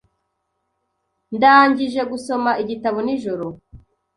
Ndangije gusoma igitabo nijoro.